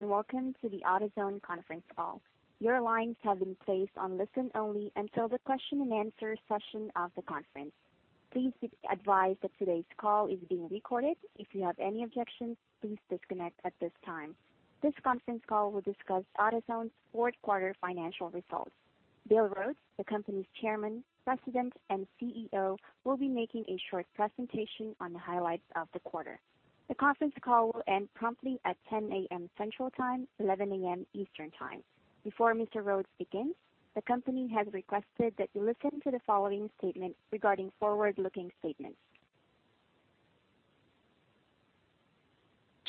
Welcome to the AutoZone conference call. Your lines have been placed on listen-only until the question-and-answer session of the conference. Please be advised that today's call is being recorded. If you have any objections, please disconnect at this time. This conference call will discuss AutoZone's fourth quarter financial results. Bill Rhodes, the company's Chairman, President, and CEO, will be making a short presentation on the highlights of the quarter. The conference call will end promptly at 10:00 A.M. Central Time, 11:00 A.M. Eastern Time. Before Mr. Rhodes begins, the company has requested that you listen to the following statement regarding forward-looking statements.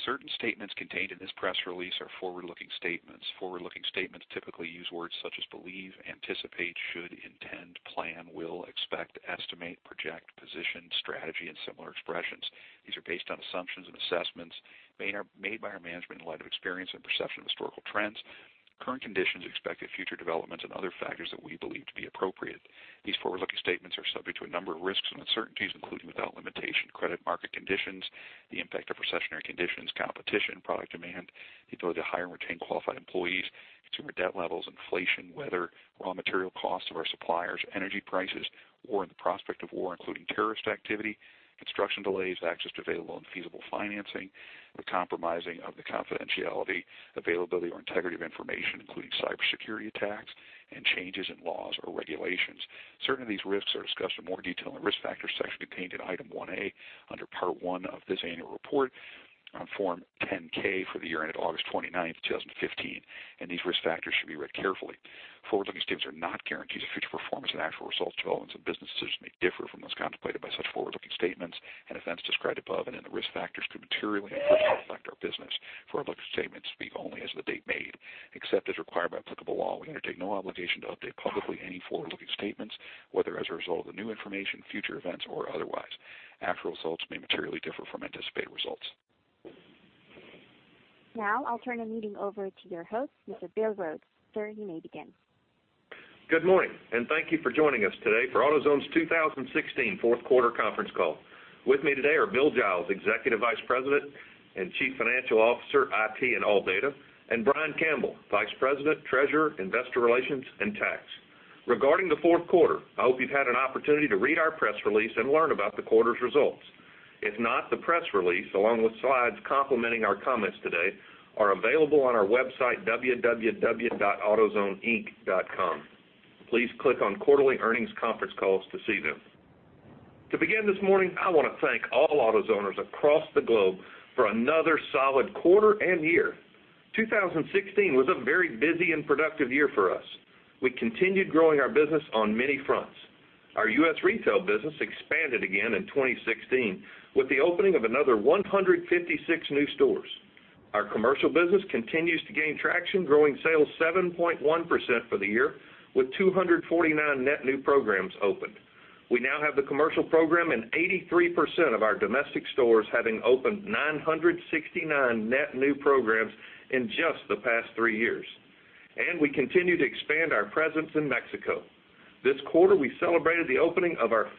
Certain statements contained in this press release are forward-looking statements. Forward-looking statements typically use words such as believe, anticipate, should, intend, plan, will, expect, estimate, project, position, strategy, and similar expressions. These are based on assumptions and assessments made by our management in light of experience and perception of historical trends, current conditions, expected future developments, and other factors that we believe to be appropriate. These forward-looking statements are subject to a number of risks and uncertainties, including, without limitation, credit market conditions, the impact of recessionary conditions, competition, product demand, the ability to hire and retain qualified employees, consumer debt levels, inflation, weather, raw material costs of our suppliers, energy prices, or the prospect of war, including terrorist activity, construction delays, access to available and feasible financing, the compromising of the confidentiality, availability, or integrity of information, including cybersecurity attacks and changes in laws or regulations. Certain of these risks are discussed in more detail in the Risk Factors section contained in Item 1A under Part 1 of this annual report on Form 10-K for the year ended August 29th, 2015. These risk factors should be read carefully. Forward-looking statements are not guarantees of future performance, and actual results and developments in the businesses may differ from those contemplated by such forward-looking statements and events described above and in the risk factors could materially and adversely affect our business. Forward-looking statements speak only as of the date made. Except as required by applicable law, we undertake no obligation to update publicly any forward-looking statements, whether as a result of new information, future events, or otherwise. Actual results may materially differ from anticipated results. I'll turn the meeting over to your host, Mr. Bill Rhodes. Sir, you may begin. Good morning. Thank you for joining us today for AutoZone's 2016 fourth quarter conference call. With me today are Bill Giles, Executive Vice President and Chief Financial Officer, IT, and ALLDATA, and Brian Campbell, Vice President, Treasurer, Investor Relations, and Tax. Regarding the fourth quarter, I hope you've had an opportunity to read our press release and learn about the quarter's results. If not, the press release, along with slides complementing our comments today, are available on our website, autozoneinc.com. Please click on Quarterly Earnings Conference Calls to see them. To begin this morning, I want to thank all AutoZoners across the globe for another solid quarter and year. 2016 was a very busy and productive year for us. We continued growing our business on many fronts. Our U.S. retail business expanded again in 2016 with the opening of another 156 new stores. Our commercial business continues to gain traction, growing sales 7.1% for the year, with 249 net new programs opened. We now have the commercial program in 83% of our domestic stores, having opened 969 net new programs in just the past three years. We continue to expand our presence in Mexico. This quarter, we celebrated the opening of our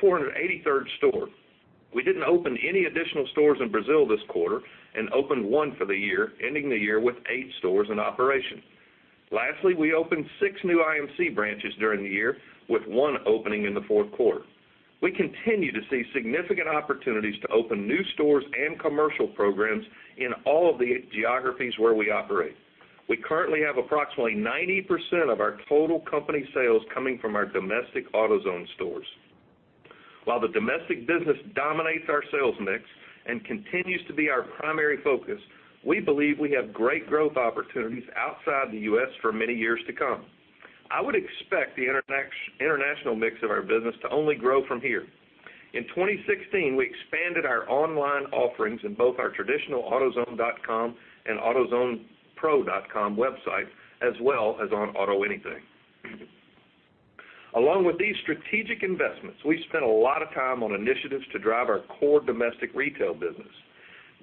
483rd store. We didn't open any additional stores in Brazil this quarter and opened one for the year, ending the year with eight stores in operation. Lastly, we opened six new IMC branches during the year, with one opening in the fourth quarter. We continue to see significant opportunities to open new stores and commercial programs in all of the geographies where we operate. We currently have approximately 90% of our total company sales coming from our domestic AutoZone stores. While the domestic business dominates our sales mix and continues to be our primary focus, we believe we have great growth opportunities outside the U.S. for many years to come. I would expect the international mix of our business to only grow from here. In 2016, we expanded our online offerings in both our traditional autozone.com and autozonepro.com websites, as well as on AutoAnything. Along with these strategic investments, we spent a lot of time on initiatives to drive our core domestic retail business.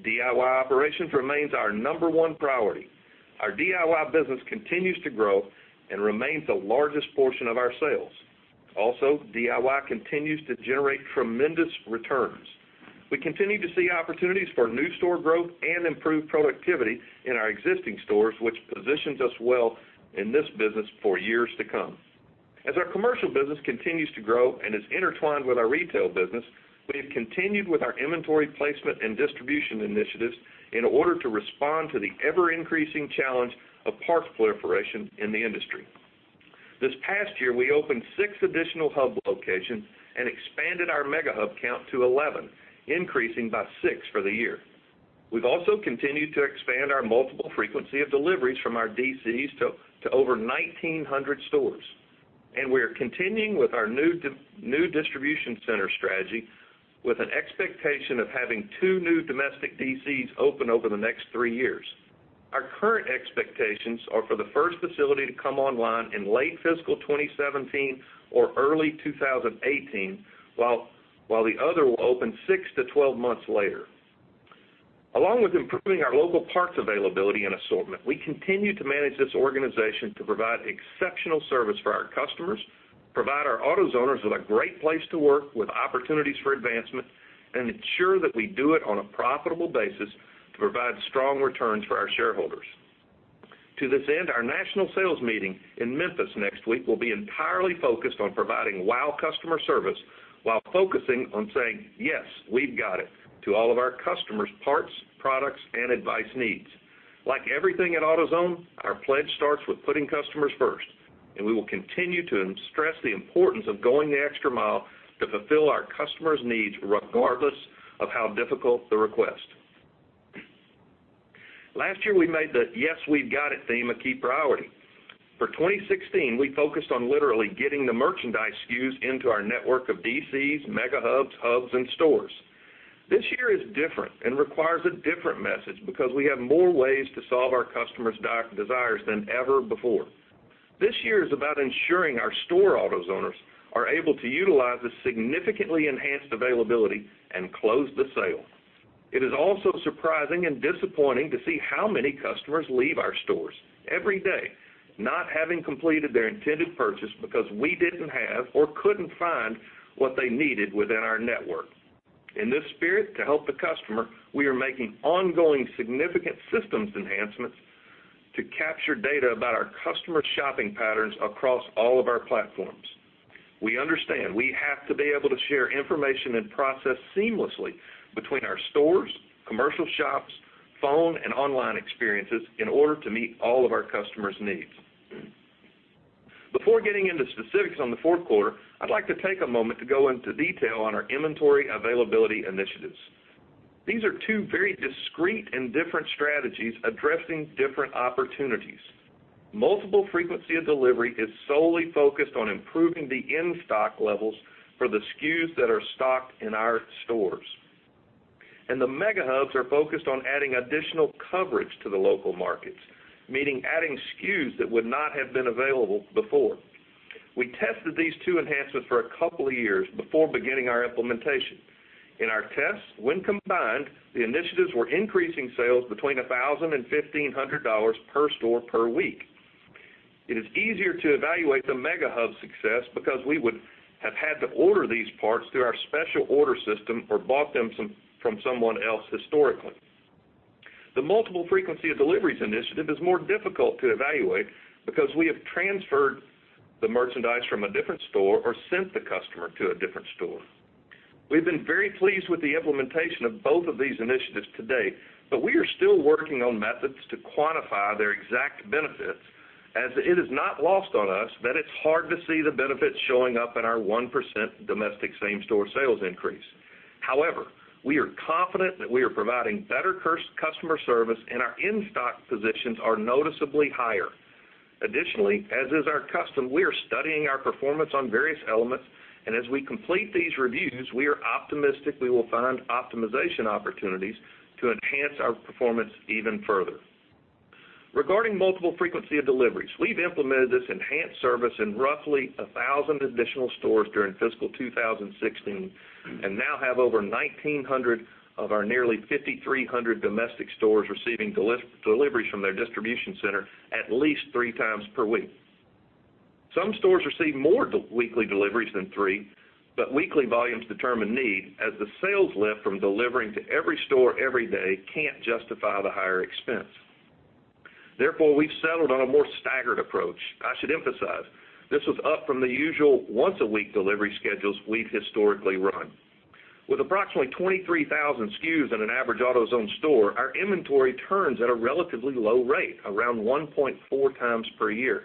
DIY operations remains our number one priority. Our DIY business continues to grow and remains the largest portion of our sales. DIY continues to generate tremendous returns. We continue to see opportunities for new store growth and improved productivity in our existing stores, which positions us well in this business for years to come. As our commercial business continues to grow and is intertwined with our retail business, we have continued with our inventory placement and distribution initiatives in order to respond to the ever-increasing challenge of parts proliferation in the industry. This past year, we opened six additional hub locations and expanded our Mega Hub count to 11, increasing by six for the year. We've also continued to expand our multiple frequency of deliveries from our DCs to over 1,900 stores. We are continuing with our new distribution center strategy with an expectation of having two new domestic DCs open over the next three years. Our current expectations are for the first facility to come online in late fiscal 2017 or early 2018, while the other will open six to 12 months later. Along with improving our local parts availability and assortment, we continue to manage this organization to provide exceptional service for our customers. Provide our AutoZoners with a great place to work with opportunities for advancement, and ensure that we do it on a profitable basis to provide strong returns for our shareholders. To this end, our national sales meeting in Memphis next week will be entirely focused on providing wow customer service while focusing on saying, "Yes! We've Got It," to all of our customers' parts, products, and advice needs. Like everything at AutoZone, our pledge starts with putting customers first, and we will continue to stress the importance of going the extra mile to fulfill our customers' needs regardless of how difficult the request. Last year, we made the Yes! We've Got It theme a key priority. For 2016, we focused on literally getting the merchandise SKUs into our network of DCs, Mega Hubs, hubs, and stores. This year is different and requires a different message because we have more ways to solve our customers' desires than ever before. This year is about ensuring our store AutoZoners are able to utilize the significantly enhanced availability and close the sale. It is also surprising and disappointing to see how many customers leave our stores every day not having completed their intended purchase because we didn't have or couldn't find what they needed within our network. In this spirit, to help the customer, we are making ongoing significant systems enhancements to capture data about our customer shopping patterns across all of our platforms. We understand we have to be able to share information and process seamlessly between our stores, commercial shops, phone, and online experiences in order to meet all of our customers' needs. Before getting into specifics on the fourth quarter, I'd like to take a moment to go into detail on our inventory availability initiatives. These are two very discreet and different strategies addressing different opportunities. Multiple frequency of delivery is solely focused on improving the in-stock levels for the SKUs that are stocked in our stores. The Mega Hubs are focused on adding additional coverage to the local markets, meaning adding SKUs that would not have been available before. We tested these two enhancements for a couple of years before beginning our implementation. In our tests, when combined, the initiatives were increasing sales between $1,000 and $1,500 per store per week. It is easier to evaluate the Mega Hub success because we would have had to order these parts through our special order system or bought them from someone else historically. The multiple frequency of deliveries initiative is more difficult to evaluate because we have transferred the merchandise from a different store or sent the customer to a different store. We've been very pleased with the implementation of both of these initiatives to date, but we are still working on methods to quantify their exact benefits, as it is not lost on us that it's hard to see the benefits showing up in our 1% domestic same-store sales increase. However, we are confident that we are providing better customer service, and our in-stock positions are noticeably higher. Additionally, as is our custom, we are studying our performance on various elements. As we complete these reviews, we are optimistic we will find optimization opportunities to enhance our performance even further. Regarding multiple frequency of deliveries, we've implemented this enhanced service in roughly 1,000 additional stores during fiscal 2016 and now have over 1,900 of our nearly 5,300 domestic stores receiving deliveries from their distribution center at least three times per week. Some stores receive more weekly deliveries than three, weekly volumes determine need, as the sales lift from delivering to every store every day can't justify the higher expense. Therefore, we've settled on a more staggered approach. I should emphasize, this was up from the usual once-a-week delivery schedules we've historically run. With approximately 23,000 SKUs in an average AutoZone store, our inventory turns at a relatively low rate, around 1.4 times per year.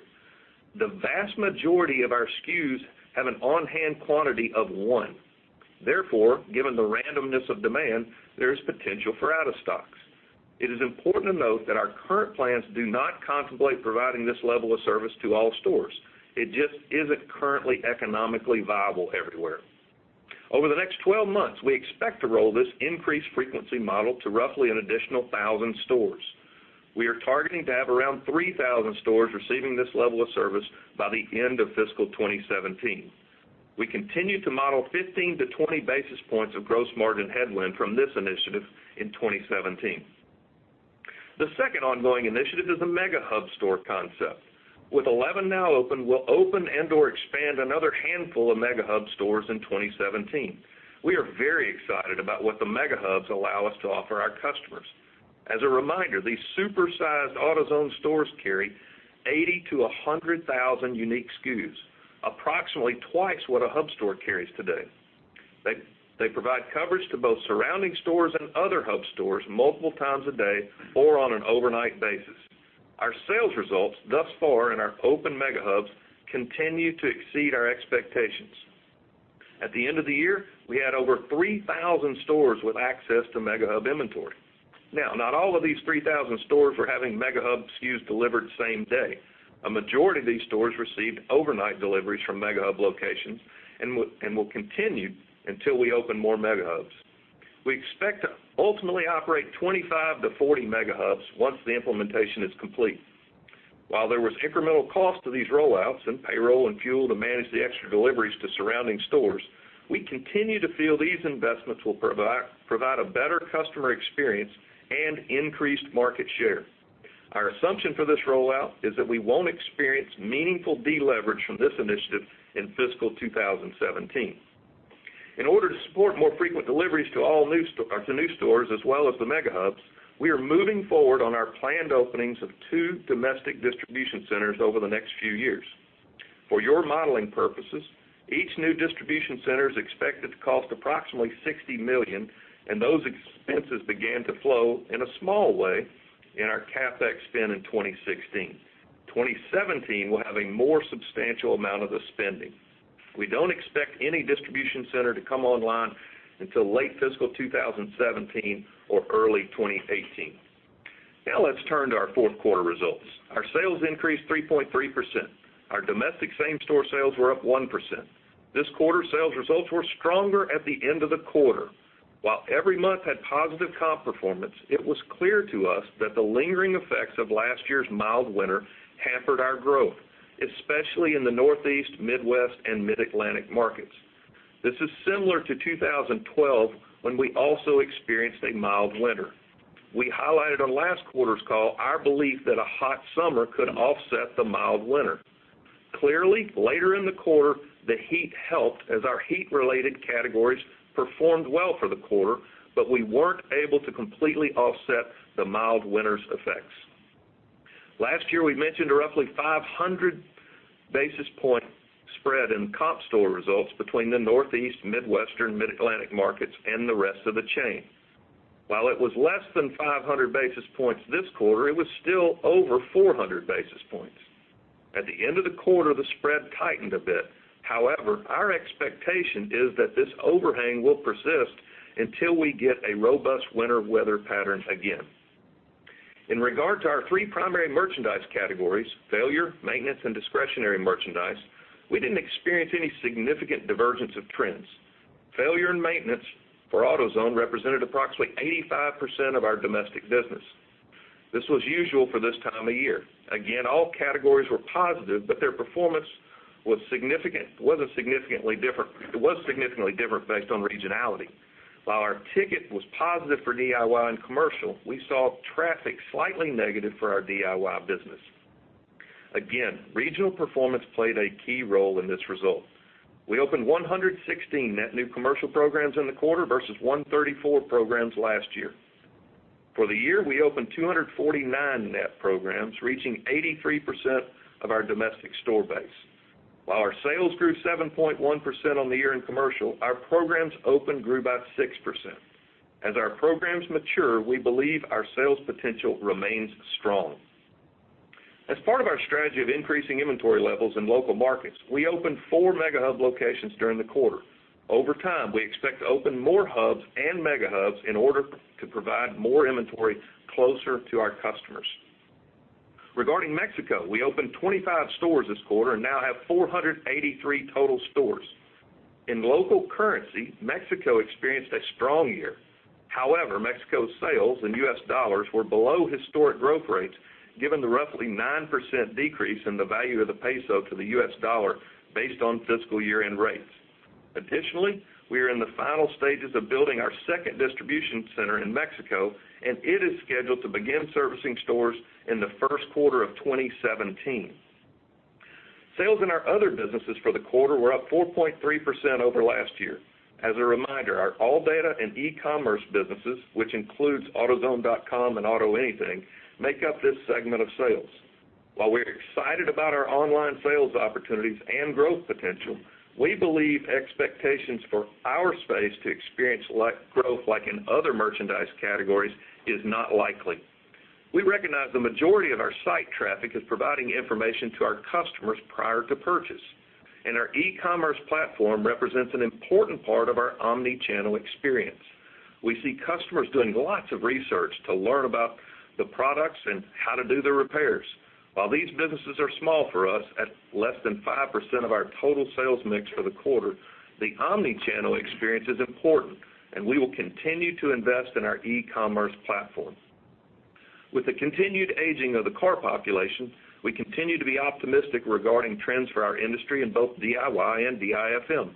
The vast majority of our SKUs have an on-hand quantity of one. Therefore, given the randomness of demand, there is potential for out of stocks. It is important to note that our current plans do not contemplate providing this level of service to all stores. It just isn't currently economically viable everywhere. Over the next 12 months, we expect to roll this increased frequency model to roughly an additional 1,000 stores. We are targeting to have around 3,000 stores receiving this level of service by the end of fiscal 2017. We continue to model 15-20 basis points of gross margin headwind from this initiative in 2017. The second ongoing initiative is the Mega Hub store concept. With 11 now open, we'll open and/or expand another handful of Mega Hub stores in 2017. We are very excited about what the Mega Hubs allow us to offer our customers. As a reminder, these super-sized AutoZone stores carry 80,000-100,000 unique SKUs, approximately twice what a hub store carries today. They provide coverage to both surrounding stores and other hub stores multiple times a day or on an overnight basis. Our sales results thus far in our open Mega Hubs continue to exceed our expectations. At the end of the year, we had over 3,000 stores with access to Mega Hub inventory. Not all of these 3,000 stores were having Mega Hub SKUs delivered same day. A majority of these stores received overnight deliveries from Mega Hub locations and will continue until we open more Mega Hubs. We expect to ultimately operate 25-40 Mega Hubs once the implementation is complete. While there was incremental cost to these rollouts in payroll and fuel to manage the extra deliveries to surrounding stores, we continue to feel these investments will provide a better customer experience and increased market share. Our assumption for this rollout is that we won't experience meaningful deleverage from this initiative in fiscal 2017. In order to support more frequent deliveries to new stores, as well as the Mega Hubs, we are moving forward on our planned openings of two domestic distribution centers over the next few years. For your modeling purposes, each new distribution center is expected to cost approximately $60 million, and those expenses began to flow in a small way in our CapEx spend in 2016. 2017 will have a more substantial amount of the spending. We don't expect any distribution center to come online until late fiscal 2017 or early 2018. Now let's turn to our fourth quarter results. Our sales increased 3.3%. Our domestic same-store sales were up 1%. This quarter, sales results were stronger at the end of the quarter. While every month had positive comp performance, it was clear to us that the lingering effects of last year's mild winter hampered our growth, especially in the Northeast, Midwest, and Mid-Atlantic markets. This is similar to 2012, when we also experienced a mild winter. We highlighted on last quarter's call our belief that a hot summer could offset the mild winter. Clearly, later in the quarter, the heat helped as our heat-related categories performed well for the quarter, we weren't able to completely offset the mild winter's effects. Last year, we mentioned a roughly 500-basis point spread in comp store results between the Northeast, Midwestern, Mid-Atlantic markets, and the rest of the chain. While it was less than 500 basis points this quarter, it was still over 400 basis points. At the end of the quarter, the spread tightened a bit. Our expectation is that this overhang will persist until we get a robust winter weather pattern again. In regard to our three primary merchandise categories, failure, maintenance, and discretionary merchandise, we didn't experience any significant divergence of trends. Failure and maintenance for AutoZone represented approximately 85% of our domestic business. This was usual for this time of year. All categories were positive, their performance was significantly different based on regionality. While our ticket was positive for DIY and commercial, we saw traffic slightly negative for our DIY business. Regional performance played a key role in this result. We opened 116 net new commercial programs in the quarter versus 134 programs last year. For the year, we opened 249 net programs, reaching 83% of our domestic store base. While our sales grew 7.1% on the year in commercial, our programs open grew by 6%. As our programs mature, we believe our sales potential remains strong. As part of our strategy of increasing inventory levels in local markets, we opened four Mega Hub locations during the quarter. Over time, we expect to open more hubs and Mega Hubs in order to provide more inventory closer to our customers. Regarding Mexico, we opened 25 stores this quarter and now have 483 total stores. In local currency, Mexico experienced a strong year. Mexico's sales in U.S. dollars were below historic growth rates, given the roughly 9% decrease in the value of the peso to the U.S. dollar based on fiscal year-end rates. Additionally, we are in the final stages of building our second distribution center in Mexico, and it is scheduled to begin servicing stores in the first quarter of 2017. Sales in our other businesses for the quarter were up 4.3% over last year. As a reminder, our ALLDATA and e-commerce businesses, which includes autozone.com and AutoAnything, make up this segment of sales. While we're excited about our online sales opportunities and growth potential, we believe expectations for our space to experience growth like in other merchandise categories is not likely. We recognize the majority of our site traffic is providing information to our customers prior to purchase, and our e-commerce platform represents an important part of our omni-channel experience. We see customers doing lots of research to learn about the products and how to do the repairs. While these businesses are small for us, at less than 5% of our total sales mix for the quarter, the omni-channel experience is important, we will continue to invest in our e-commerce platform. With the continued aging of the car population, we continue to be optimistic regarding trends for our industry in both DIY and DIFM.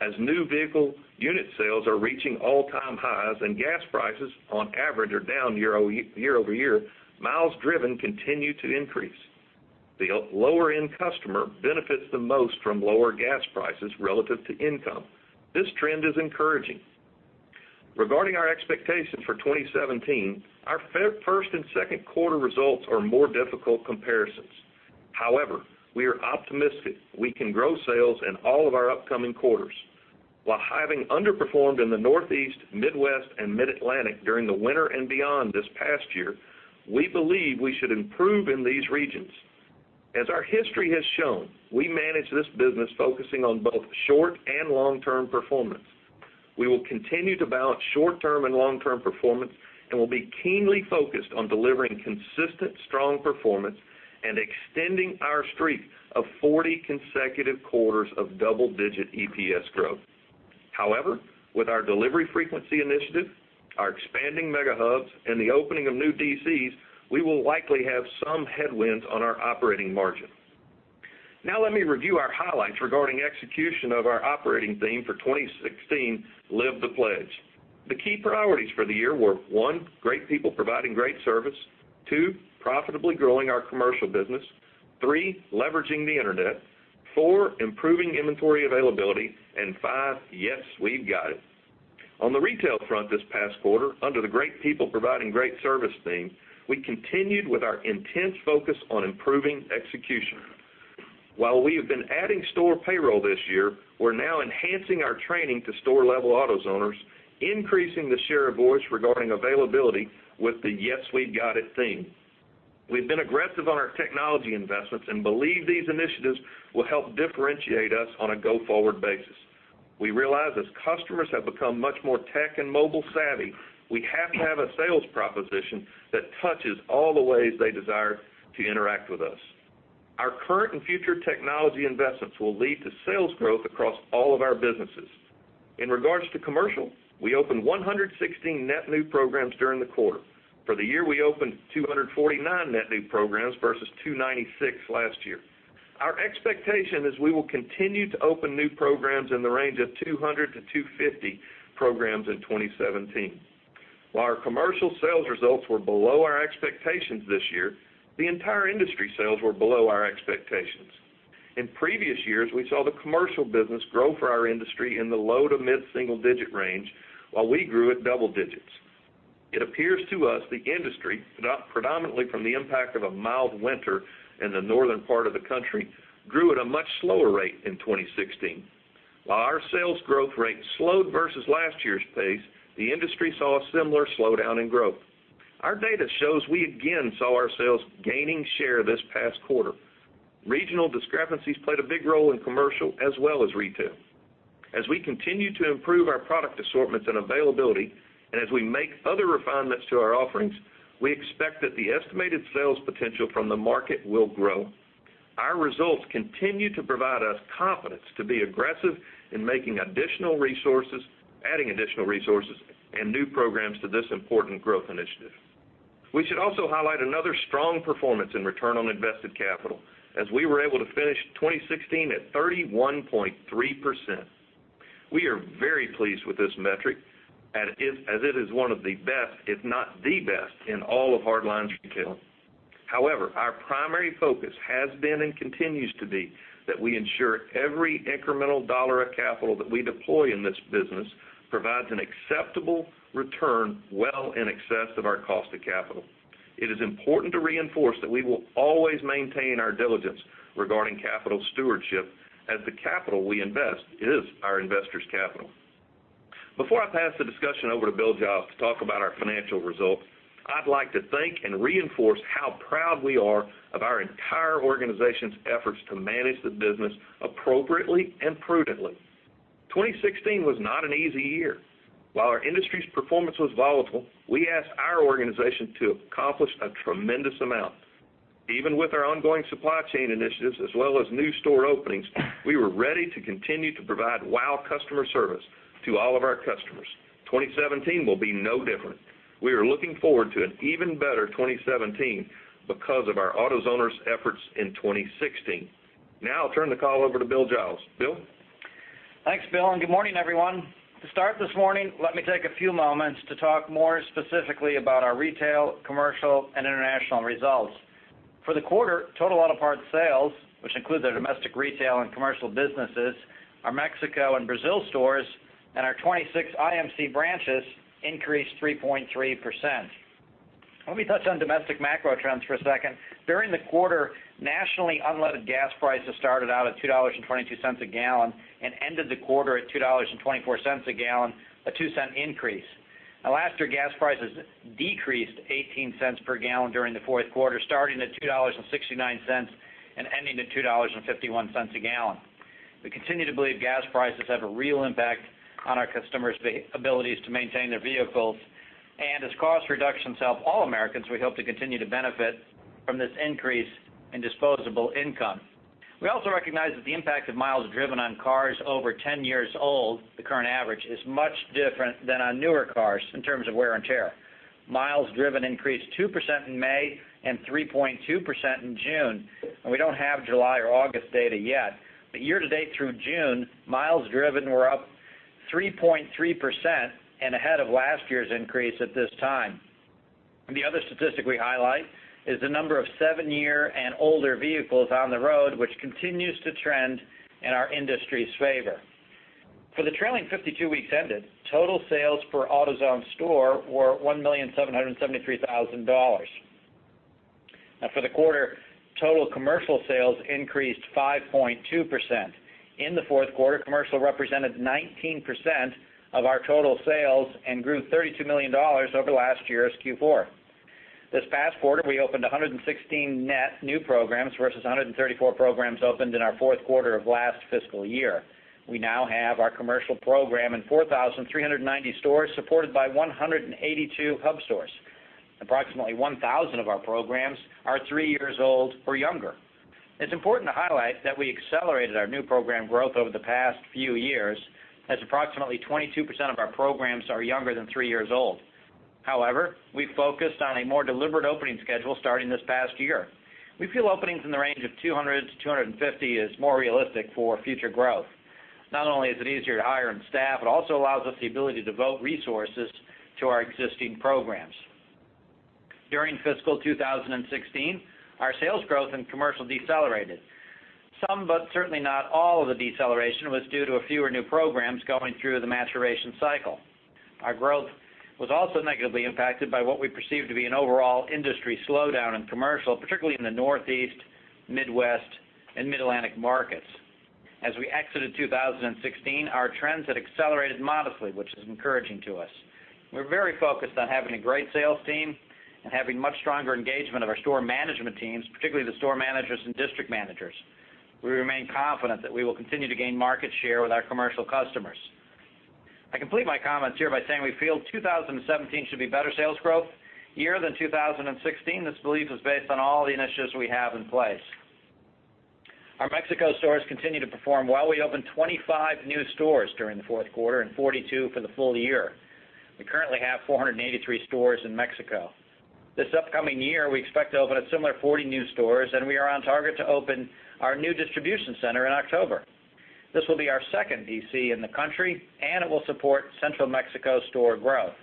As new vehicle unit sales are reaching all-time highs and gas prices on average are down year-over-year, miles driven continue to increase. The lower-end customer benefits the most from lower gas prices relative to income. This trend is encouraging. Regarding our expectations for 2017, our first and second quarter results are more difficult comparisons. We are optimistic we can grow sales in all of our upcoming quarters. While having underperformed in the Northeast, Midwest, and Mid-Atlantic during the winter and beyond this past year, we believe we should improve in these regions. As our history has shown, we manage this business focusing on both short and long-term performance. We will continue to balance short-term and long-term performance and will be keenly focused on delivering consistent, strong performance and extending our streak of 40 consecutive quarters of double-digit EPS growth. With our delivery frequency initiative, our expanding Mega Hubs, and the opening of new DCs, we will likely have some headwinds on our operating margin. Now let me review our highlights regarding execution of our operating theme for 2016, Live the Pledge. The key priorities for the year were, one, great people providing great service. Two, profitably growing our commercial business. Three, leveraging the internet. Four, improving inventory availability. And five, Yes! We've Got It. On the retail front this past quarter, under the great people providing great service theme, we continued with our intense focus on improving execution. While we have been adding store payroll this year, we're now enhancing our training to store-level AutoZoners, increasing the share of voice regarding availability with the Yes! We've Got It theme. We've been aggressive on our technology investments and believe these initiatives will help differentiate us on a go-forward basis. We realize as customers have become much more tech and mobile-savvy, we have to have a sales proposition that touches all the ways they desire to interact with us. Our current and future technology investments will lead to sales growth across all of our businesses. In regards to commercial, we opened 116 net new programs during the quarter. For the year, we opened 249 net new programs versus 296 last year. Our expectation is we will continue to open new programs in the range of 200 to 250 programs in 2017. While our commercial sales results were below our expectations this year, the entire industry sales were below our expectations. In previous years, we saw the commercial business grow for our industry in the low to mid-single-digit range while we grew at double digits. It appears to us the industry, predominantly from the impact of a mild winter in the northern part of the country, grew at a much slower rate in 2016. While our sales growth rate slowed versus last year's pace, the industry saw a similar slowdown in growth. Our data shows we again saw our sales gaining share this past quarter. Regional discrepancies played a big role in commercial as well as retail. As we continue to improve our product assortments and availability, and as we make other refinements to our offerings, we expect that the estimated sales potential from the market will grow. Our results continue to provide us confidence to be aggressive in adding additional resources and new programs to this important growth initiative. We should also highlight another strong performance in return on invested capital, as we were able to finish 2016 at 31.3%. We are very pleased with this metric, as it is one of the best, if not the best, in all of hardlines retail. However, our primary focus has been and continues to be that we ensure every incremental dollar of capital that we deploy in this business provides an acceptable return well in excess of our cost of capital. It is important to reinforce that we will always maintain our diligence regarding capital stewardship, as the capital we invest is our investors' capital. Before I pass the discussion over to Bill Giles to talk about our financial results, I'd like to thank and reinforce how proud we are of our entire organization's efforts to manage the business appropriately and prudently. 2016 was not an easy year. While our industry's performance was volatile, we asked our organization to accomplish a tremendous amount. Even with our ongoing supply chain initiatives as well as new store openings, we were ready to continue to provide wow customer service to all of our customers. 2017 will be no different. We are looking forward to an even better 2017 because of our AutoZoners' efforts in 2016. Now I'll turn the call over to Bill Giles. Bill? Thanks, Bill, and good morning, everyone. To start this morning, let me take a few moments to talk more specifically about our retail, commercial, and international results. For the quarter, total auto parts sales, which include their domestic retail and commercial businesses, our Mexico and Brazil stores, and our 26 IMC branches increased 3.3%. Let me touch on domestic macro trends for a second. During the quarter, nationally, unleaded gas prices started out at $2.22 a gallon and ended the quarter at $2.24 a gallon, a two-cent increase. Last year, gas prices decreased $0.18 per gallon during the fourth quarter, starting at $2.69 and ending at $2.51 a gallon. We continue to believe gas prices have a real impact on our customers' abilities to maintain their vehicles. As cost reductions help all Americans, we hope to continue to benefit from this increase in disposable income. We also recognize that the impact of miles driven on cars over 10 years old, the current average, is much different than on newer cars in terms of wear and tear. Miles driven increased 2% in May and 3.2% in June, and we don't have July or August data yet. Year-to-date through June, miles driven were up 3.3% and ahead of last year's increase at this time. The other statistic we highlight is the number of seven-year and older vehicles on the road, which continues to trend in our industry's favor. For the trailing 52 weeks ended, total sales per AutoZone store were $1,773,000. Now for the quarter, total commercial sales increased 5.2%. In the fourth quarter, commercial represented 19% of our total sales and grew $32 million over last year's Q4. This past quarter, we opened 116 net new programs versus 134 programs opened in our fourth quarter of last fiscal year. We now have our commercial program in 4,390 stores, supported by 182 hub stores. Approximately 1,000 of our programs are three years old or younger. It is important to highlight that we accelerated our new program growth over the past few years, as approximately 22% of our programs are younger than three years old. However, we focused on a more deliberate opening schedule starting this past year. We feel openings in the range of 200 to 250 is more realistic for future growth. Not only is it easier to hire and staff, it also allows us the ability to devote resources to our existing programs. During fiscal 2016, our sales growth in commercial decelerated. Some, but certainly not all of the deceleration was due to fewer new programs going through the maturation cycle. Our growth was also negatively impacted by what we perceive to be an overall industry slowdown in commercial, particularly in the Northeast, Midwest, and Mid-Atlantic markets. As we exited 2016, our trends had accelerated modestly, which is encouraging to us. We are very focused on having a great sales team and having much stronger engagement of our store management teams, particularly the store managers and district managers. We remain confident that we will continue to gain market share with our commercial customers. I complete my comments here by saying we feel 2017 should be a better sales growth year than 2016. This belief is based on all the initiatives we have in place. Our Mexico stores continue to perform well. We opened 25 new stores during the fourth quarter and 42 for the full year. We currently have 483 stores in Mexico. This upcoming year, we expect to open a similar 40 new stores, and we are on target to open our new distribution center in October. This will be our second DC in the country, and it will support central Mexico store growth.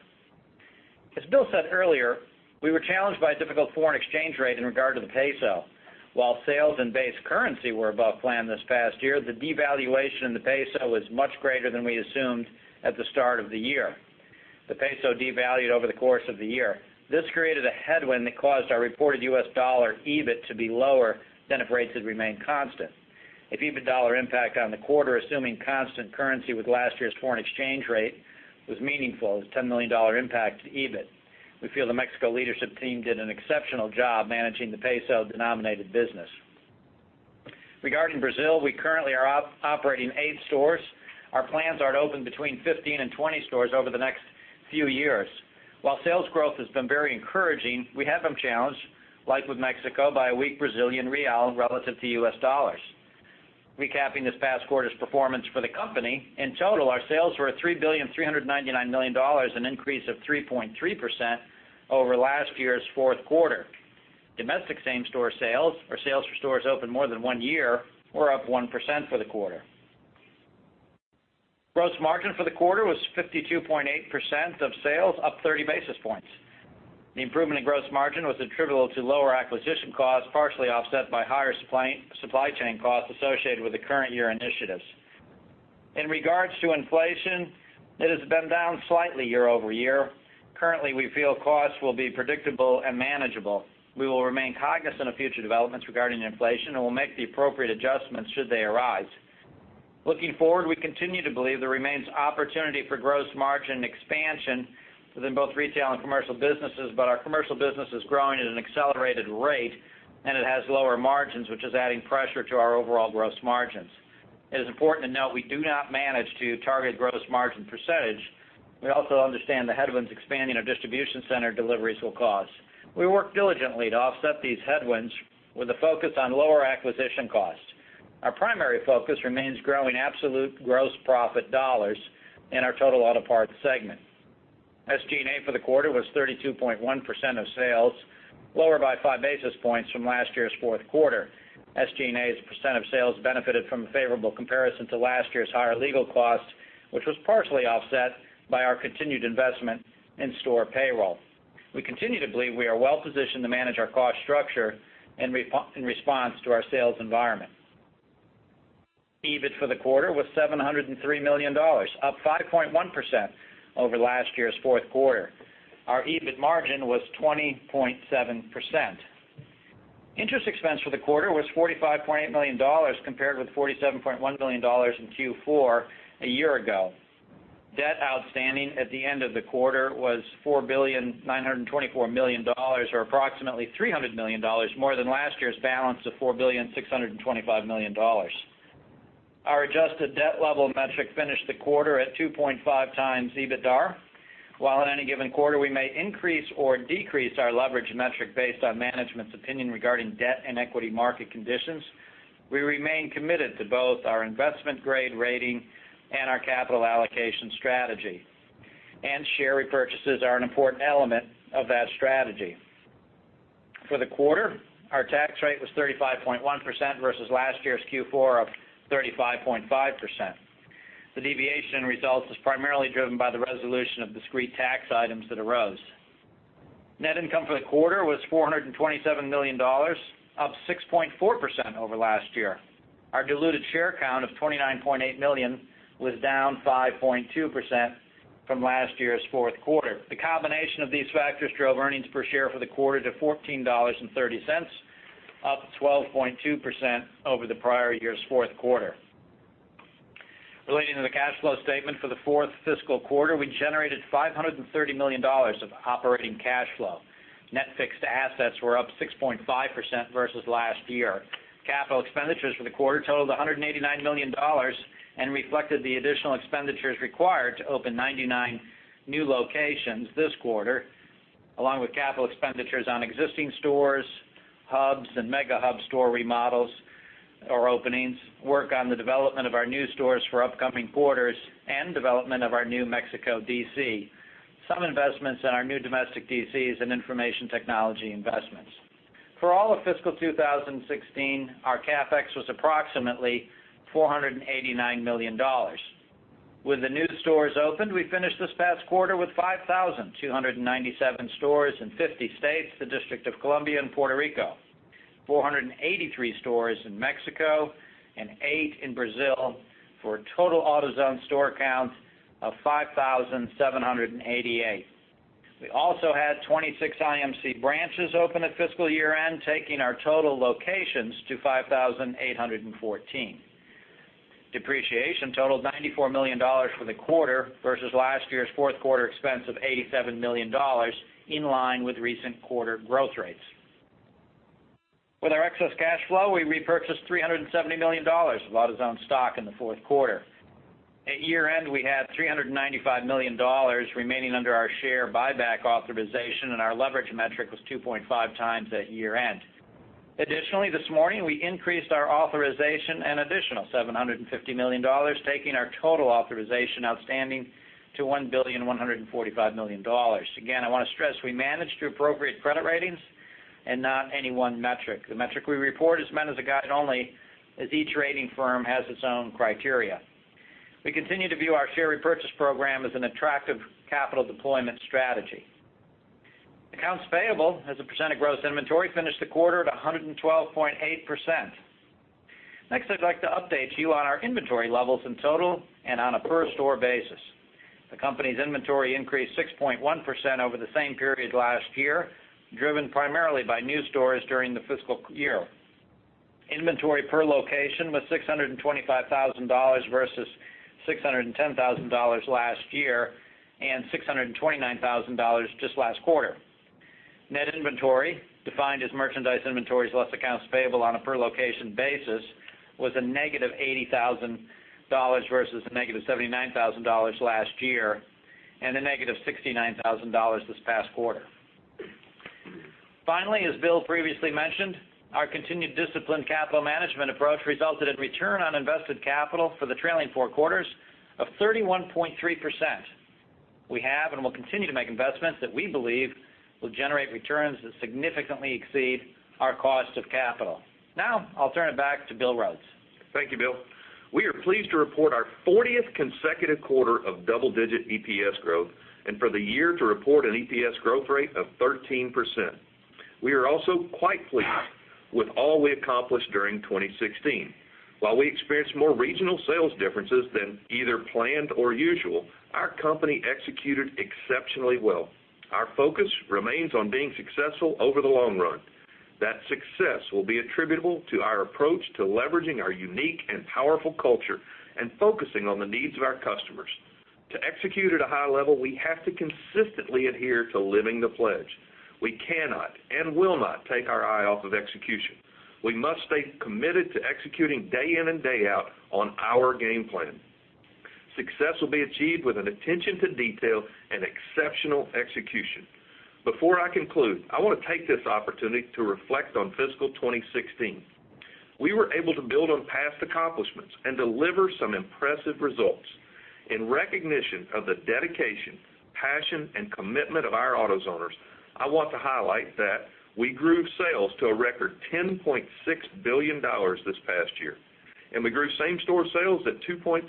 As Bill said earlier, we were challenged by a difficult foreign exchange rate in regard to the peso. While sales and base currency were above plan this past year, the devaluation in the peso was much greater than we assumed at the start of the year. The peso devalued over the course of the year. This created a headwind that caused our reported US dollar EBIT to be lower than if rates had remained constant. The EBIT dollar impact on the quarter, assuming constant currency with last year's foreign exchange rate, was meaningful. It was a $10 million impact to EBIT. Regarding Brazil, we currently are operating eight stores. Our plans are to open between 15 and 20 stores over the next few years. While sales growth has been very encouraging, we have been challenged, like with Mexico, by a weak Brazilian real relative to US dollars. Recapping this past quarter's performance for the company, in total, our sales were at $3,399,000,000, an increase of 3.3% over last year's fourth quarter. Domestic same-store sales or sales for stores open more than one year were up 1% for the quarter. Gross margin for the quarter was 52.8% of sales, up 30 basis points. The improvement in gross margin was attributable to lower acquisition costs, partially offset by higher supply chain costs associated with the current year initiatives. In regards to inflation, it has been down slightly year-over-year. Currently, we feel costs will be predictable and manageable. We will remain cognizant of future developments regarding inflation and will make the appropriate adjustments should they arise. Looking forward, we continue to believe there remains opportunity for gross margin expansion within both retail and commercial businesses. Our commercial business is growing at an accelerated rate, and it has lower margins, which is adding pressure to our overall gross margins. It is important to note we do not manage to target gross margin percentage. We also understand the headwinds expanding our distribution center deliveries will cause. We work diligently to offset these headwinds with a focus on lower acquisition costs. Our primary focus remains growing absolute gross profit dollars in our total auto parts segment. SG&A for the quarter was 32.1% of sales, lower by five basis points from last year's fourth quarter. SG&A as a percent of sales benefited from a favorable comparison to last year's higher legal costs, which was partially offset by our continued investment in store payroll. We continue to believe we are well positioned to manage our cost structure in response to our sales environment. EBIT for the quarter was $703 million, up 5.1% over last year's fourth quarter. Our EBIT margin was 20.7%. Interest expense for the quarter was $45.8 million compared with $47.1 million in Q4 a year ago. Debt outstanding at the end of the quarter was $4.924 billion, or approximately $300 million more than last year's balance of $4.625 billion. Our adjusted debt level metric finished the quarter at 2.5 times EBITDA. While at any given quarter, we may increase or decrease our leverage metric based on management's opinion regarding debt and equity market conditions, we remain committed to both our investment-grade rating and our capital allocation strategy. Share repurchases are an important element of that strategy. For the quarter, our tax rate was 35.1% versus last year's Q4 of 35.5%. The deviation in results is primarily driven by the resolution of discrete tax items that arose. Net income for the quarter was $427 million, up 6.4% over last year. Our diluted share count of 29.8 million was down 5.2% from last year's fourth quarter. The combination of these factors drove earnings per share for the quarter to $14.30, up 12.2% over the prior year's fourth quarter. Relating to the cash flow statement for the fourth fiscal quarter, we generated $530 million of operating cash flow. Net fixed assets were up 6.5% versus last year. Capital expenditures for the quarter totaled $189 million and reflected the additional expenditures required to open 99 new locations this quarter. Along with capital expenditures on existing stores, hubs, and Mega Hub store remodels or openings, work on the development of our new stores for upcoming quarters, and development of our new Mexico DC, some investments in our new domestic DCs and information technology investments. For all of fiscal 2016, our CapEx was approximately $489 million. With the new stores opened, we finished this past quarter with 5,297 stores in 50 states, the District of Columbia and Puerto Rico, 483 stores in Mexico and eight in Brazil for a total AutoZone store count of 5,788. We also had 26 IMC branches open at fiscal year-end, taking our total locations to 5,814. Depreciation totaled $94 million for the quarter versus last year's fourth quarter expense of $87 million, in line with recent quarter growth rates. With our excess cash flow, we repurchased $370 million of AutoZone stock in the fourth quarter. At year-end, we had $395 million remaining under our share buyback authorization, and our leverage metric was 2.5 times at year-end. This morning, we increased our authorization an additional $750 million, taking our total authorization outstanding to $1,145,000,000. I want to stress we manage to appropriate credit ratings and not any one metric. The metric we report is meant as a guide only, as each rating firm has its own criteria. We continue to view our share repurchase program as an attractive capital deployment strategy. Accounts payable as a % of gross inventory finished the quarter at 112.8%. I'd like to update you on our inventory levels in total and on a per store basis. The company's inventory increased 6.1% over the same period last year, driven primarily by new stores during the fiscal year. Inventory per location was $625,000 versus $610,000 last year and $629,000 just last quarter. Net inventory, defined as merchandise inventories less accounts payable on a per location basis, was a negative $80,000 versus a negative $79,000 last year and a negative $69,000 this past quarter. As Bill previously mentioned, our continued disciplined capital management approach resulted in return on invested capital for the trailing four quarters of 31.3%. We have and will continue to make investments that we believe will generate returns that significantly exceed our cost of capital. I'll turn it back to Bill Rhodes. Thank you, Bill. We are pleased to report our 40th consecutive quarter of double-digit EPS growth and for the year to report an EPS growth rate of 13%. We are also quite pleased with all we accomplished during 2016. While we experienced more regional sales differences than either planned or usual, our company executed exceptionally well. Our focus remains on being successful over the long run. That success will be attributable to our approach to leveraging our unique and powerful culture and focusing on the needs of our customers. To execute at a high level, we have to consistently adhere to Live the Pledge. We cannot and will not take our eye off of execution. We must stay committed to executing day in and day out on our game plan. Success will be achieved with an attention to detail and exceptional execution. I want to take this opportunity to reflect on fiscal 2016. We were able to build on past accomplishments and deliver some impressive results. In recognition of the dedication, passion, and commitment of our AutoZoners, I want to highlight that we grew sales to a record $10.6 billion this past year, we grew same-store sales at 2.4%.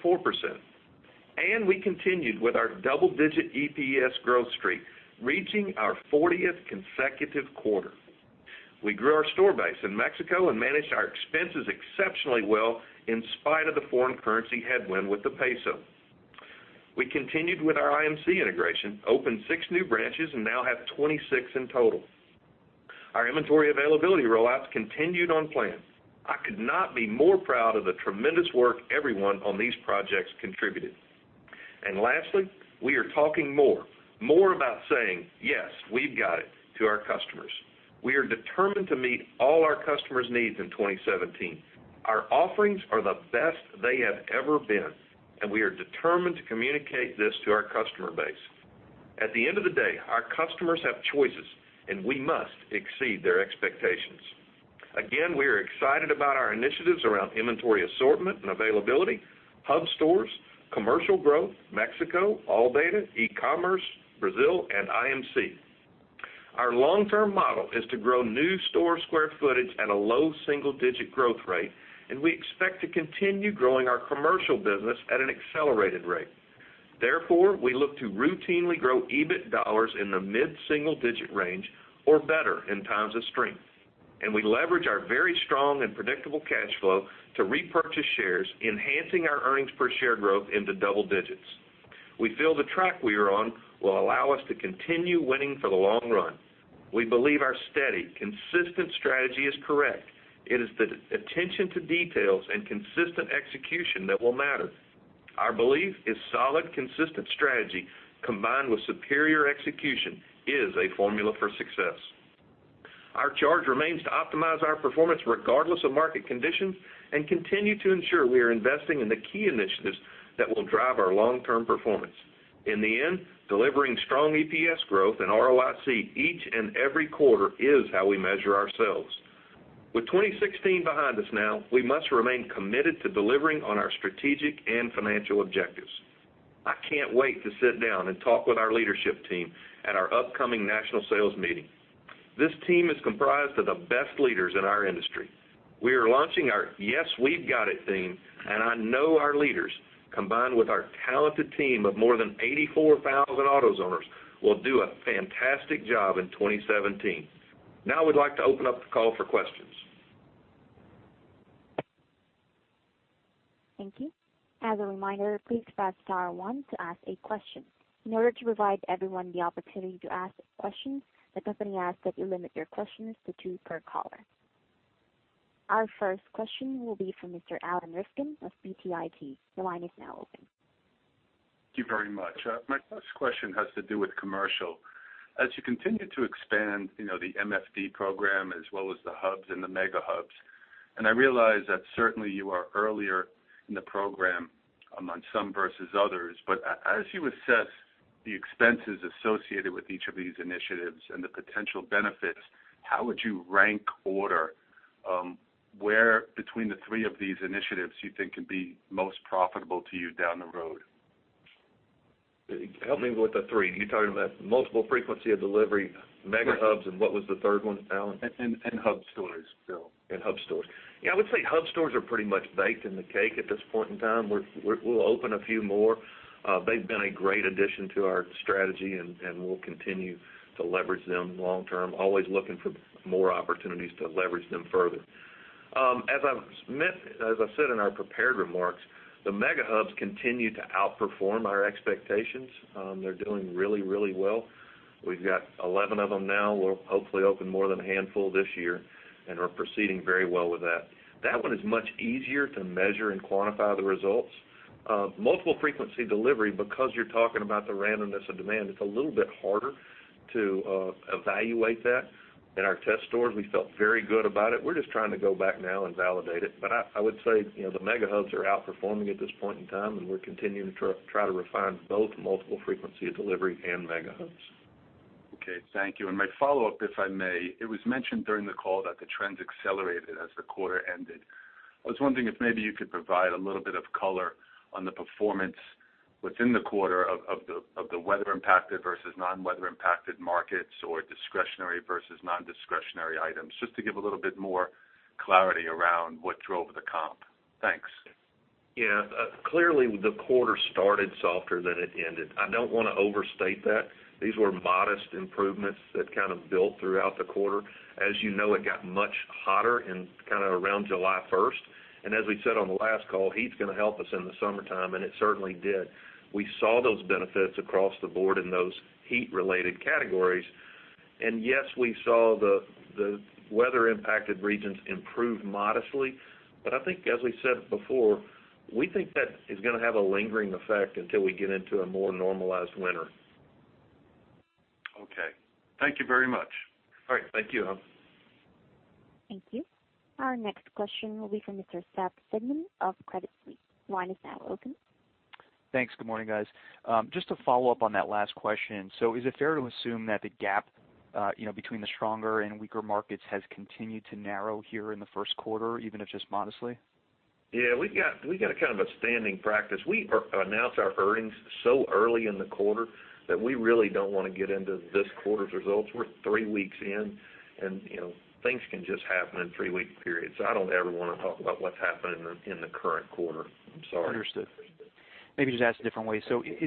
We continued with our double-digit EPS growth streak, reaching our 40th consecutive quarter. We grew our store base in Mexico and managed our expenses exceptionally well in spite of the foreign currency headwind with the peso. We continued with our IMC integration, opened six new branches, and now have 26 in total. Our inventory availability rollouts continued on plan. I could not be more proud of the tremendous work everyone on these projects contributed. Lastly, we are talking more about saying, "Yes! We've Got It" to our customers. We are determined to meet all our customers' needs in 2017. Our offerings are the best they have ever been, and we are determined to communicate this to our customer base. At the end of the day, our customers have choices, and we must exceed their expectations. Again, we are excited about our initiatives around inventory assortment and availability, hub stores, commercial growth, Mexico, ALLDATA, e-commerce, Brazil, and IMC. Our long-term model is to grow new store square footage at a low single-digit growth rate, and we expect to continue growing our commercial business at an accelerated rate. Therefore, we look to routinely grow EBIT dollars in the mid-single digit range or better in times of strength. We leverage our very strong and predictable cash flow to repurchase shares, enhancing our earnings per share growth into double digits. We feel the track we are on will allow us to continue winning for the long run. We believe our steady, consistent strategy is correct. It is the attention to details and consistent execution that will matter. Our belief is solid, consistent strategy combined with superior execution is a formula for success. Our charge remains to optimize our performance regardless of market conditions and continue to ensure we are investing in the key initiatives that will drive our long-term performance. In the end, delivering strong EPS growth and ROIC each and every quarter is how we measure ourselves. With 2016 behind us now, we must remain committed to delivering on our strategic and financial objectives. I can't wait to sit down and talk with our leadership team at our upcoming national sales meeting. This team is comprised of the best leaders in our industry. We are launching our "Yes! We've Got It" theme, and I know our leaders, combined with our talented team of more than 84,000 AutoZoners, will do a fantastic job in 2017. I would like to open up the call for questions. Thank you. As a reminder, please press star one to ask a question. In order to provide everyone the opportunity to ask questions, the company asks that you limit your questions to two per caller. Our first question will be from Mr. Alan Rifkin of BTIG. The line is now open. Thank you very much. My first question has to do with commercial. As you continue to expand the MFD program as well as the hubs and the Mega Hubs, I realize that certainly you are earlier in the program amongst some versus others, but as you assess the expenses associated with each of these initiatives and the potential benefits, how would you rank order where between the three of these initiatives you think could be most profitable to you down the road? Help me with the three. You're talking about multiple frequency of delivery- Right Mega Hubs, what was the third one, Alan? Hub stores, Bill. Hub stores. I would say hub stores are pretty much baked in the cake at this point in time. We'll open a few more. They've been a great addition to our strategy, and we'll continue to leverage them long term, always looking for more opportunities to leverage them further. As I said in our prepared remarks, the Mega Hubs continue to outperform our expectations. They're doing really well. We've got 11 of them now. We'll hopefully open more than a handful this year and are proceeding very well with that. That one is much easier to measure and quantify the results. Multiple Frequency of Delivery, because you're talking about the randomness of demand, it's a little bit harder to evaluate that. In our test stores, we felt very good about it. We're just trying to go back now and validate it. I would say, the Mega Hubs are outperforming at this point in time, and we're continuing to try to refine both Multiple Frequency of Delivery and Mega Hubs. Okay, thank you. My follow-up, if I may. It was mentioned during the call that the trends accelerated as the quarter ended. I was wondering if maybe you could provide a little bit of color on the performance within the quarter of the weather impacted versus non-weather impacted markets or discretionary versus non-discretionary items, just to give a little more clarity around what drove the comp. Thanks. Yeah. Clearly the quarter started softer than it ended. I don't want to overstate that. These were modest improvements that kind of built throughout the quarter. As you know, it got much hotter around July 1st. As we said on the last call, heat's going to help us in the summertime, and it certainly did. We saw those benefits across the board in those heat related categories. Yes, we saw the weather impacted regions improve modestly. I think as we said before, we think that is going to have a lingering effect until we get into a more normalized winter. Okay. Thank you very much. All right. Thank you, Alan. Thank you. Our next question will be from Mr. Seth Basham of Credit Suisse. Your line is now open. Thanks. Good morning, guys. Just to follow up on that last question. Is it fair to assume that the gap between the stronger and weaker markets has continued to narrow here in the first quarter, even if just modestly? Yeah. We've got a standing practice. We announce our earnings so early in the quarter that we really don't want to get into this quarter's results. We're three weeks in, and things can just happen in three-week periods. I don't ever want to talk about what's happening in the current quarter. I'm sorry. Understood. Maybe just asked a different way. Is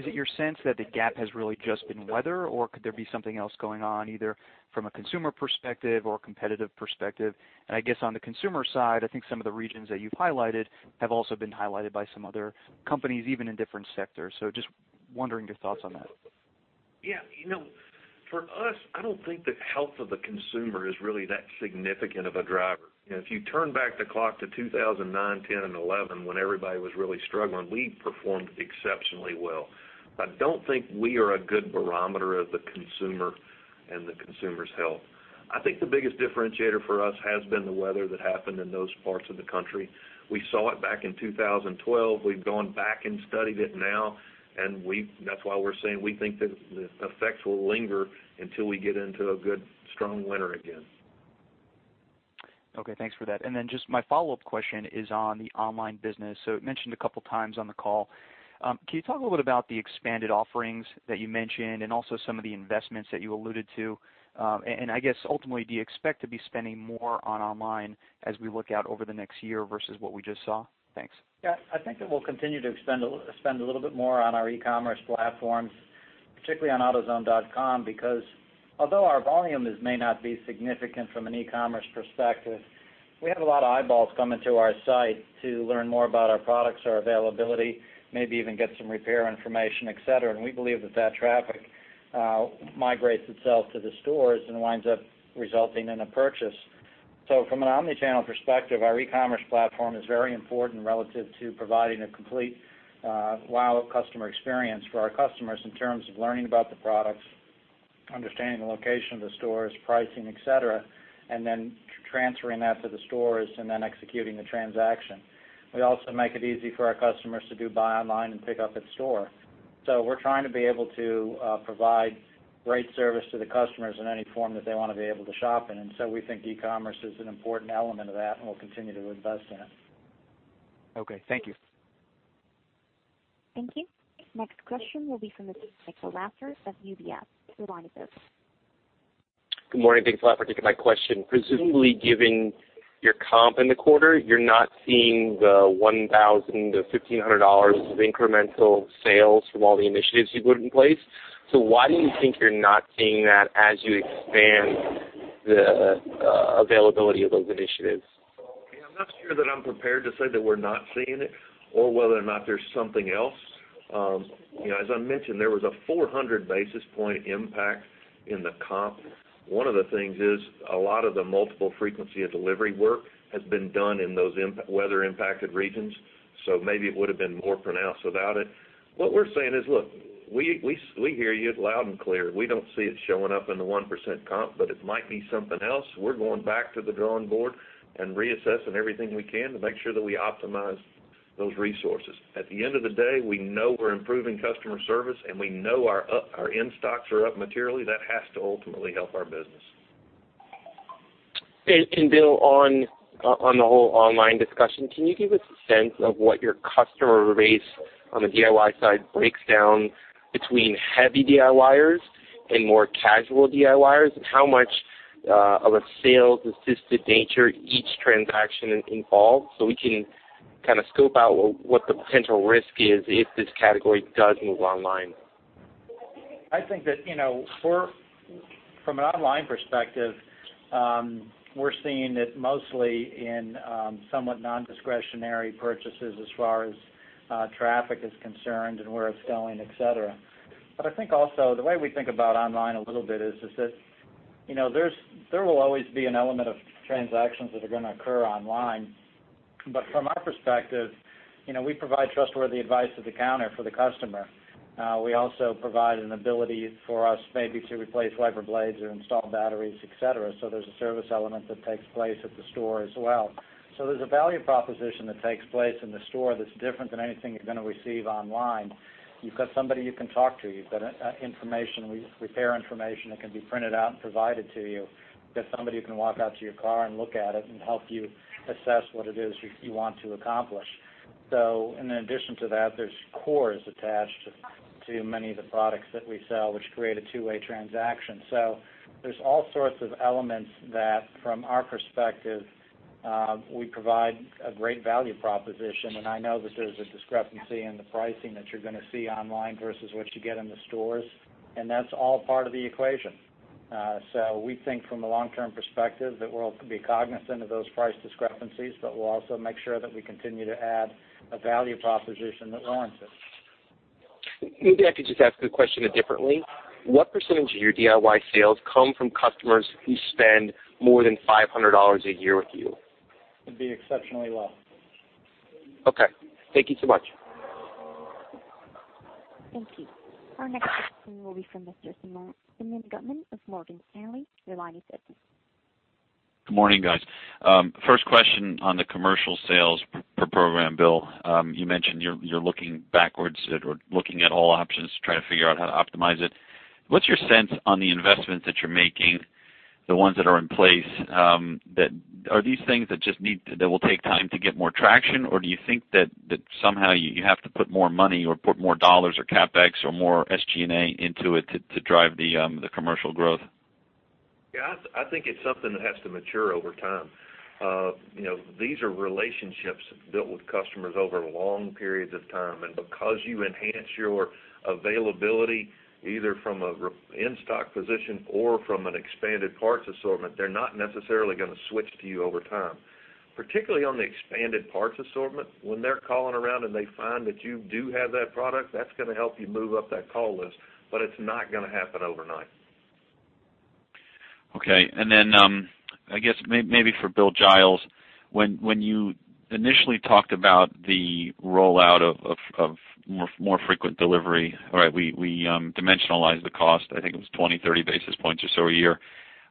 it your sense that the gap has really just been weather, or could there be something else going on, either from a consumer perspective or competitive perspective? I guess on the consumer side, I think some of the regions that you've highlighted have also been highlighted by some other companies, even in different sectors. Just wondering your thoughts on that. Yeah. For us, I don't think the health of the consumer is really that significant of a driver. If you turn back the clock to 2009, 2010, and 2011, when everybody was really struggling, we performed exceptionally well. I don't think we are a good barometer of the consumer and the consumer's health. I think the biggest differentiator for us has been the weather that happened in those parts of the country. We saw it back in 2012. We've gone back and studied it now, and that's why we're saying we think that the effects will linger until we get into a good, strong winter again. Okay, thanks for that. Just my follow-up question is on the online business. It mentioned a couple of times on the call. Can you talk a little bit about the expanded offerings that you mentioned and also some of the investments that you alluded to? I guess ultimately, do you expect to be spending more on online as we look out over the next year versus what we just saw? Thanks. Yeah, I think that we'll continue to spend a little bit more on our e-commerce platforms, particularly on autozone.com because although our volumes may not be significant from an e-commerce perspective, we have a lot of eyeballs coming to our site to learn more about our products, our availability, maybe even get some repair information, et cetera. We believe that traffic migrates itself to the stores and winds up resulting in a purchase. From an omni-channel perspective, our e-commerce platform is very important relative to providing a complete wow customer experience for our customers in terms of learning about the products, understanding the location of the stores, pricing, et cetera, and then transferring that to the stores and then executing the transaction. We also make it easy for our customers to do buy online and pick up at store. We're trying to be able to provide great service to the customers in any form that they want to be able to shop in. We think e-commerce is an important element of that, and we'll continue to invest in it. Okay. Thank you. Thank you. Next question will be from Michael Lasser of UBS. Your line is open. Good morning. Thanks a lot for taking my question. Presumably, given your comp in the quarter, you're not seeing the $1,000-$1,500 of incremental sales from all the initiatives you put in place. Why do you think you're not seeing that as you expand the availability of those initiatives? I'm not sure that I'm prepared to say that we're not seeing it or whether or not there's something else. As I mentioned, there was a 400 basis point impact in the comp. One of the things is a lot of the multiple frequency of delivery work has been done in those weather-impacted regions, maybe it would have been more pronounced without it. What we're saying is, look, we hear you loud and clear. We don't see it showing up in the 1% comp, it might be something else. We're going back to the drawing board and reassessing everything we can to make sure that we optimize those resources. At the end of the day, we know we're improving customer service, and we know our in-stocks are up materially. That has to ultimately help our business. Bill, on the whole online discussion, can you give us a sense of what your customer base on the DIY side breaks down between heavy DIYers and more casual DIYers, and how much of a sales-assisted nature each transaction involves, we can scope out what the potential risk is if this category does move online? I think that from an online perspective, we're seeing it mostly in somewhat non-discretionary purchases as far as traffic is concerned and where it's going, et cetera. I think also the way we think about online a little bit is that there will always be an element of transactions that are going to occur online. From our perspective, we provide trustworthy advice at the counter for the customer. We also provide an ability for us maybe to replace wiper blades or install batteries, et cetera. There's a service element that takes place at the store as well. There's a value proposition that takes place in the store that's different than anything you're going to receive online. You've got somebody you can talk to. You've got repair information that can be printed out and provided to you. You've got somebody who can walk out to your car and look at it and help you assess what it is you want to accomplish. In addition to that, there's cores attached to many of the products that we sell, which create a two-way transaction. There's all sorts of elements that, from our perspective, we provide a great value proposition, and I know that there's a discrepancy in the pricing that you're going to see online versus what you get in the stores, and that's all part of the equation. We think from a long-term perspective that we'll be cognizant of those price discrepancies, but we'll also make sure that we continue to add a value proposition that warrants it. Maybe I could just ask the question differently. What percentage of your DIY sales come from customers who spend more than $500 a year with you? It'd be exceptionally low. Okay. Thank you so much. Thank you. Our next question will be from Mr. Simeon Gutman of Morgan Stanley. Your line is open. Good morning, guys. First question on the commercial sales program, Bill. You mentioned you're looking at all options to try to figure out how to optimize it. What's your sense on the investments that you're making, the ones that are in place? Are these things that will take time to get more traction, or do you think that somehow you have to put more money or put more dollars or CapEx or more SG&A into it to drive the commercial growth? Yeah, I think it's something that has to mature over time. These are relationships built with customers over long periods of time. Because you enhance your availability, either from an in-stock position or from an expanded parts assortment, they're not necessarily going to switch to you over time. Particularly on the expanded parts assortment, when they're calling around and they find that you do have that product, that's going to help you move up that call list, but it's not going to happen overnight. Okay. Then I guess maybe for Bill Giles, when you initially talked about the rollout of more frequent delivery, we dimensionalized the cost. I think it was 20, 30 basis points or so a year.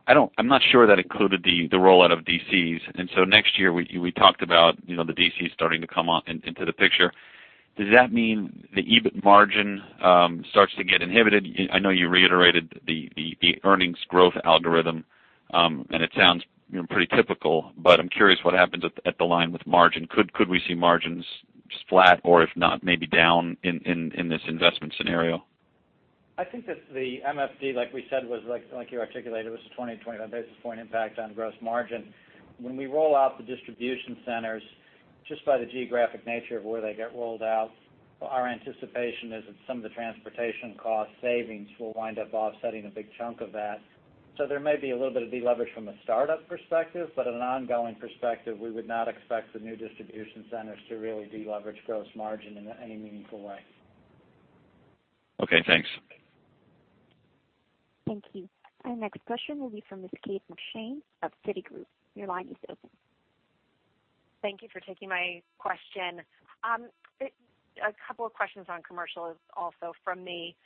I'm not sure that included the rollout of DCs. So next year, we talked about the DCs starting to come into the picture. Does that mean the EBIT margin starts to get inhibited? I know you reiterated the earnings growth algorithm, and it sounds pretty typical, but I'm curious what happens at the line with margin. Could we see margins flat or if not, maybe down in this investment scenario? I think that the MSD, like we said, was like you articulated, was a 20, 25 basis point impact on gross margin. When we roll out the distribution centers, just by the geographic nature of where they get rolled out, our anticipation is that some of the transportation cost savings will wind up offsetting a big chunk of that. There may be a little bit of deleverage from a startup perspective, but on an ongoing perspective, we would not expect the new distribution centers to really deleverage gross margin in any meaningful way. Okay, thanks. Thank you. Our next question will be from Ms. Kate McShane of Citigroup. Your line is open. Thank you for taking my question. A couple of questions on commercial also from me.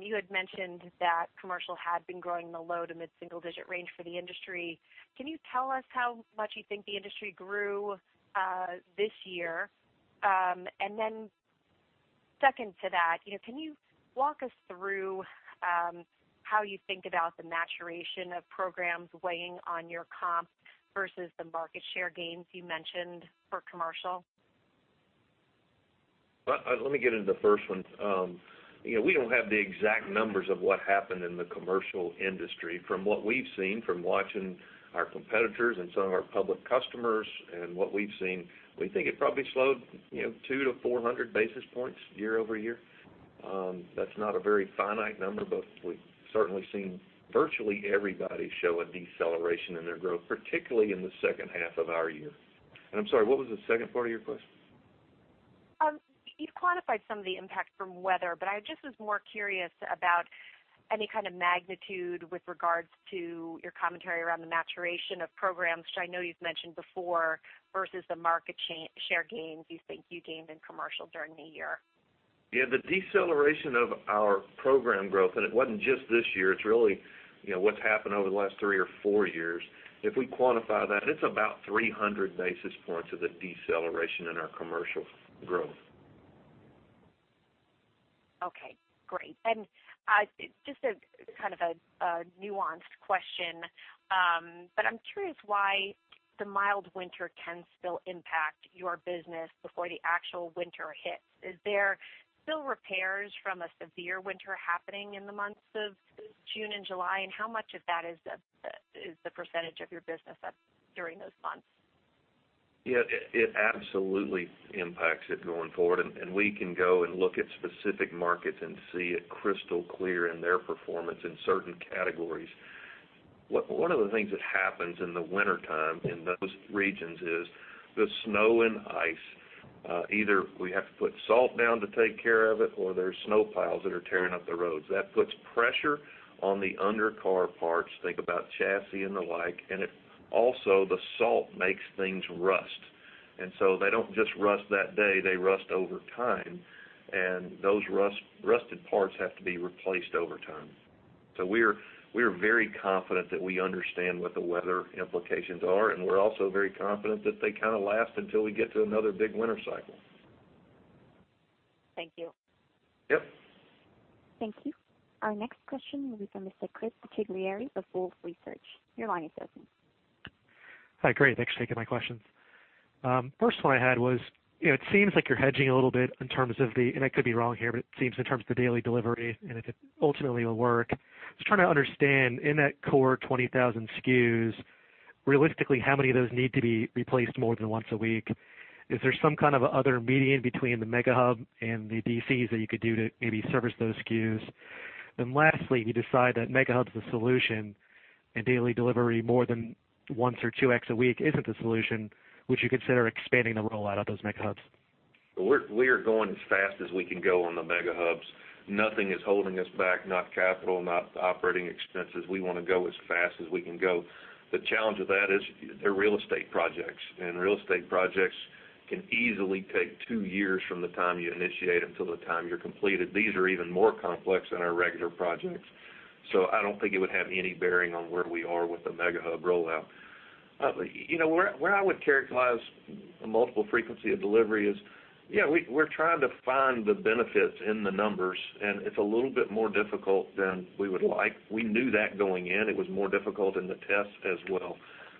You had mentioned that commercial had been growing in the low to mid-single digit range for the industry. Can you tell us how much you think the industry grew this year? Second to that, can you walk us through how you think about the maturation of programs weighing on your comp versus the market share gains you mentioned for commercial? Let me get into the first one. We don't have the exact numbers of what happened in the commercial industry. From what we've seen from watching our competitors and some of our public customers, and what we've seen, we think it probably slowed two to 400 basis points year-over-year. That's not a very finite number, but we've certainly seen virtually everybody show a deceleration in their growth, particularly in the second half of our year. I'm sorry, what was the second part of your question? You've quantified some of the impact from weather, I just was more curious about any kind of magnitude with regards to your commentary around the maturation of programs, which I know you've mentioned before, versus the market share gains you think you gained in commercial during the year. Yeah, the deceleration of our program growth, it wasn't just this year, it's really what's happened over the last three or four years. If we quantify that, it's about 300 basis points of the deceleration in our commercial growth. Okay, great. Just a kind of a nuanced question, I'm curious why the mild winter can still impact your business before the actual winter hits. Is there still repairs from a severe winter happening in the months of June and July, how much of that is the percentage of your business during those months? Yeah, it absolutely impacts it going forward. We can go and look at specific markets and see it crystal clear in their performance in certain categories. One of the things that happens in the wintertime in those regions is the snow and ice. Either we have to put salt down to take care of it, or there's snow piles that are tearing up the roads. That puts pressure on the undercar parts, think about chassis and the like. Also the salt makes things rust. They don't just rust that day, they rust over time, and those rusted parts have to be replaced over time. We're very confident that we understand what the weather implications are, and we're also very confident that they kind of last until we get to another big winter cycle. Thank you. Yep. Thank you. Our next question will be from Mr. Chris Bottiglieri of Wolfe Research. Your line is open. Hi, great. Thanks for taking my questions. First one I had was, it seems like you're hedging a little bit in terms of the, and I could be wrong here, but it seems in terms of the daily delivery and if it ultimately will work. I was trying to understand, in that core 20,000 SKUs, realistically, how many of those need to be replaced more than once a week? Is there some kind of other median between the Mega Hub and the DCs that you could do to maybe service those SKUs? Lastly, if you decide that Mega Hub's the solution and daily delivery more than once or two X a week isn't the solution, would you consider expanding the rollout of those Mega Hubs? We are going as fast as we can go on the Mega Hubs. Nothing is holding us back, not capital, not operating expenses. We want to go as fast as we can go. The challenge with that is they're real estate projects, and real estate projects can easily take two years from the time you initiate them till the time you're completed. These are even more complex than our regular projects. I don't think it would have any bearing on where we are with the Mega Hub rollout. Where I would characterize a multiple frequency of delivery is, yeah, we're trying to find the benefits in the numbers, and it's a little bit more difficult than we would like. We knew that going in. It was more difficult in the test as well.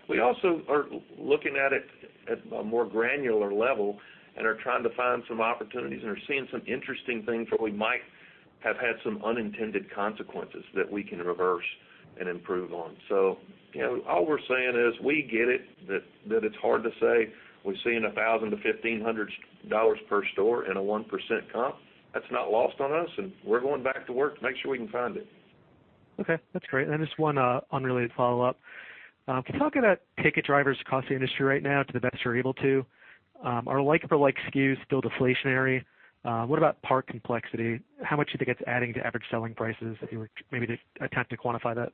We also are looking at it at a more granular level and are trying to find some opportunities and are seeing some interesting things where we might have had some unintended consequences that we can reverse and improve on. All we're saying is we get it, that it's hard to say we've seen $1,000-$1,500 per store in a 1% comp. That's not lost on us, and we're going back to work to make sure we can find it. Okay, that's great. Just one unrelated follow-up. Can you talk about ticket drivers across the industry right now to the best you're able to? Are like-for-like SKUs still deflationary? What about part complexity? How much do you think it's adding to average selling prices, if you were maybe to attempt to quantify that?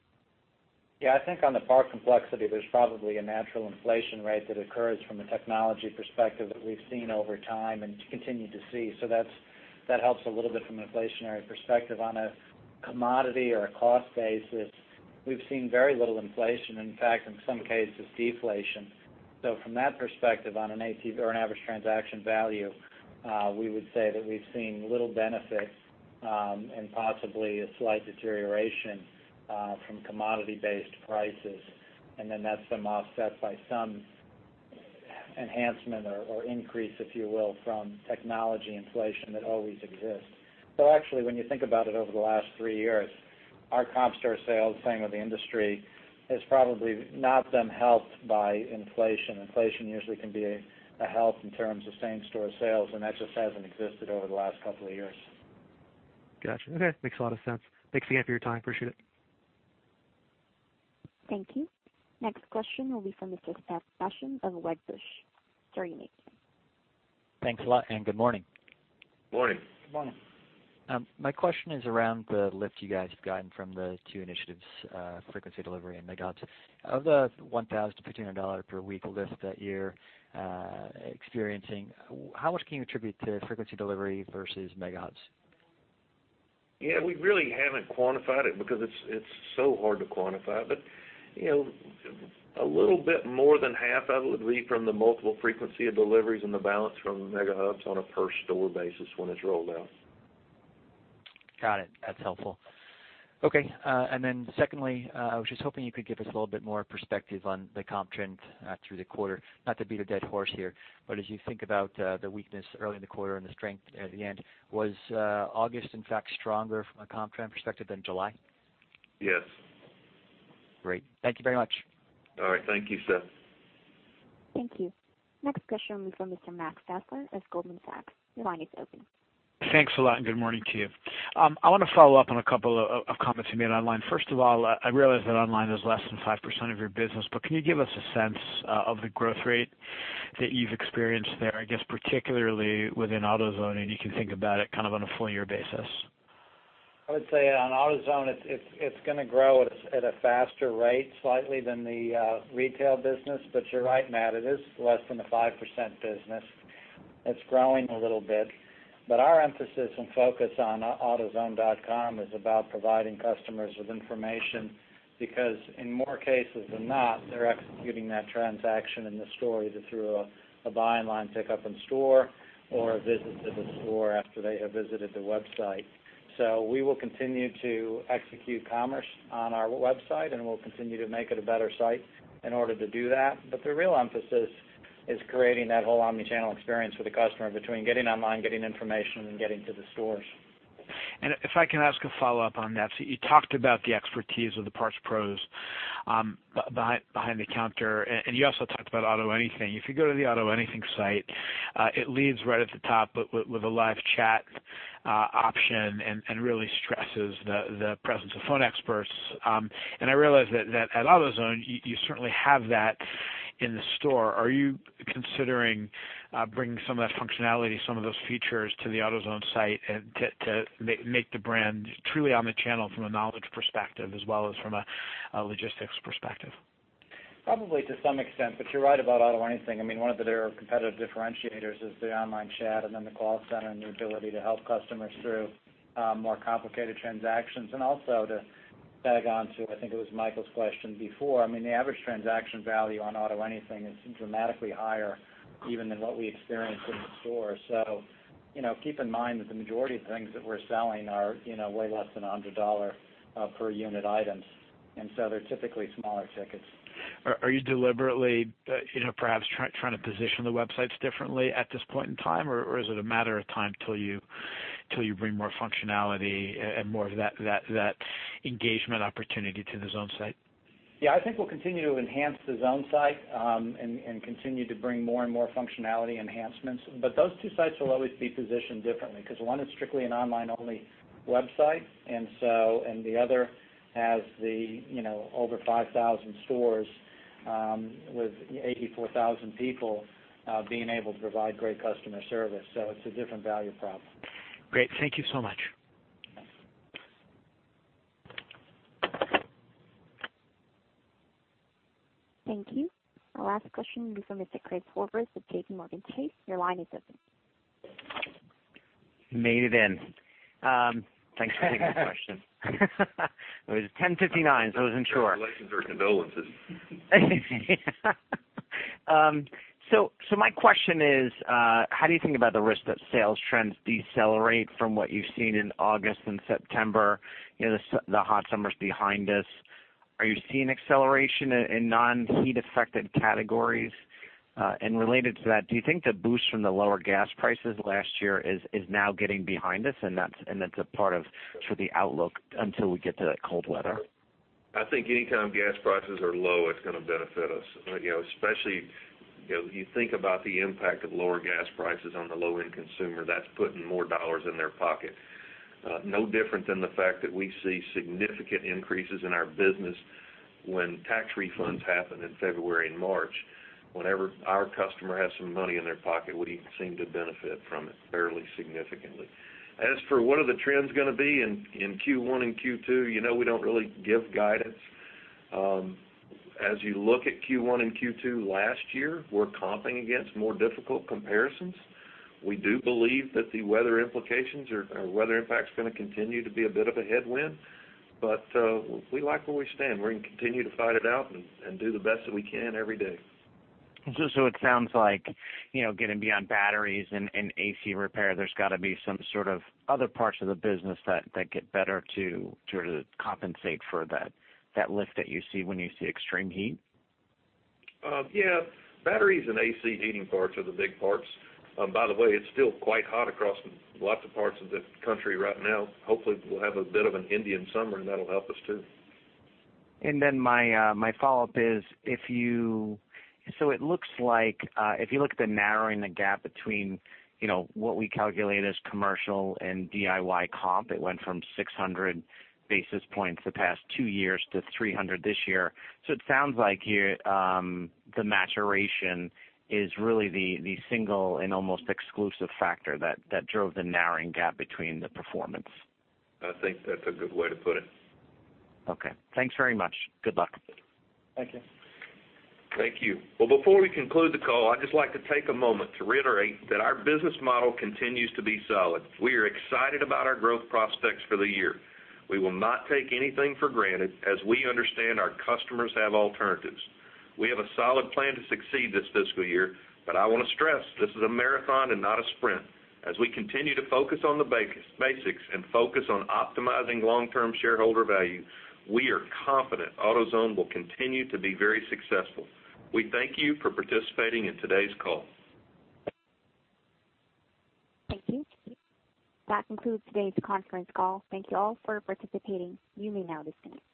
Yeah, I think on the part complexity, there's probably a natural inflation rate that occurs from a technology perspective that we've seen over time and continue to see. That helps a little bit from inflationary perspective. On a commodity or a cost basis, we've seen very little inflation. In fact, in some cases, deflation. From that perspective, on an ACV or an average transaction value, we would say that we've seen little benefit, and possibly a slight deterioration from commodity-based prices. That's some offset by some enhancement or increase, if you will, from technology inflation that always exists. Actually, when you think about it over the last three years, our comp store sales, same with the industry, has probably not been helped by inflation. Inflation usually can be a help in terms of same-store sales, that just hasn't existed over the last couple of years. Gotcha. Okay. Makes a lot of sense. Thanks again for your time. Appreciate it. Thank you. Next question will be from Seth Basham of Wedbush. Sorry in advance. Thanks a lot. Good morning. Morning. Good morning. My question is around the lift you guys have gotten from the two initiatives, frequency delivery and Mega Hubs. Of the $1,500 per week lift that you're experiencing, how much can you attribute to frequency delivery versus Mega Hubs? Yeah, we really haven't quantified it because it's so hard to quantify. A little bit more than half of it would be from the multiple frequency of deliveries and the balance from the Mega Hubs on a per store basis when it's rolled out. Got it. That's helpful. Okay, secondly, I was just hoping you could give us a little bit more perspective on the comp trends through the quarter. Not to beat a dead horse here, but as you think about the weakness early in the quarter and the strength at the end, was August, in fact, stronger from a comp trend perspective than July? Yes. Great. Thank you very much. All right. Thank you, sir. Thank you. Next question from Mr. Matt Fassler of Goldman Sachs. Your line is open. Thanks a lot, and good morning to you. I want to follow up on a couple of comments you made online. First of all, I realize that online is less than 5% of your business, but can you give us a sense of the growth rate that you've experienced there, I guess particularly within AutoZone, and you can think about it kind of on a full year basis? I would say on AutoZone, it's going to grow at a faster rate slightly than the retail business. You're right, Matt, it is less than a 5% business. It's growing a little bit. Our emphasis and focus on autozone.com is about providing customers with information because in more cases than not, they're executing that transaction in the stores through a buy online pick up in store or a visit to the store after they have visited the website. We will continue to execute commerce on our website, and we'll continue to make it a better site in order to do that. The real emphasis is creating that whole omni-channel experience for the customer between getting online, getting information, and getting to the stores. If I can ask a follow-up on that. You talked about the expertise of the Parts Pros behind the counter, and you also talked about AutoAnything. If you go to the AutoAnything site, it leads right at the top with a live chat option and really stresses the presence of phone experts. I realize that at AutoZone, you certainly have that in the store. Are you considering bringing some of that functionality, some of those features to the AutoZone site to make the brand truly omni-channel from a knowledge perspective as well as from a logistics perspective? Probably to some extent, you're right about AutoAnything. One of their competitive differentiators is the online chat and then the call center and the ability to help customers through more complicated transactions. Also to tag onto, I think it was Michael's question before, the average transaction value on AutoAnything is dramatically higher even than what we experience in the store. Keep in mind that the majority of things that we're selling are way less than $100 per unit items, and so they're typically smaller tickets. Are you deliberately perhaps trying to position the websites differently at this point in time, or is it a matter of time till you bring more functionality and more of that engagement opportunity to the Zone site? I think we'll continue to enhance the Zone site and continue to bring more and more functionality enhancements. Those two sites will always be positioned differently because one is strictly an online-only website, and the other has over 5,000 stores with 84,000 people being able to provide great customer service. It's a different value prop. Great. Thank you so much. Thank you. Our last question will be from Mr. Craig Forbes of JPMorgan Chase. Your line is open. Made it in. Thanks for taking the question. It was 10:59, so I wasn't sure. Congratulations or condolences. My question is how do you think about the risk that sales trends decelerate from what you've seen in August and September? The hot summer is behind us. Are you seeing acceleration in non-heat affected categories? Related to that, do you think the boost from the lower gas prices last year is now getting behind us and that's a part of sort of the outlook until we get to that cold weather? I think anytime gas prices are low, it's going to benefit us. Especially, you think about the impact of lower gas prices on the low-end consumer, that's putting more dollars in their pocket. No different than the fact that we see significant increases in our business when tax refunds happen in February and March. Whenever our customer has some money in their pocket, we seem to benefit from it fairly significantly. As for what are the trends going to be in Q1 and Q2, you know we don't really give guidance. As you look at Q1 and Q2 last year, we're comping against more difficult comparisons. We do believe that the weather implications or weather impact is going to continue to be a bit of a headwind. We like where we stand. We're going to continue to fight it out and do the best that we can every day. It sounds like getting beyond batteries and AC repair, there's got to be some sort of other parts of the business that get better to sort of compensate for that lift that you see when you see extreme heat. Yeah. Batteries and AC heating parts are the big parts. By the way, it's still quite hot across lots of parts of the country right now. Hopefully, we'll have a bit of an Indian summer, and that'll help us too. My follow-up is if you look at the narrowing the gap between what we calculate as commercial and DIY comp, it went from 600 basis points the past two years to 300 this year. It sounds like the maturation is really the single and almost exclusive factor that drove the narrowing gap between the performance. I think that's a good way to put it. Okay. Thanks very much. Good luck. Thank you. Thank you. Well, before we conclude the call, I would just like to take a moment to reiterate that our business model continues to be solid. We are excited about our growth prospects for the year. We will not take anything for granted as we understand our customers have alternatives. We have a solid plan to succeed this fiscal year, but I want to stress this is a marathon and not a sprint. As we continue to focus on the basics and focus on optimizing long-term shareholder value, we are confident AutoZone will continue to be very successful. We thank you for participating in today's call. Thank you. That concludes today's conference call. Thank you all for participating. You may now disconnect.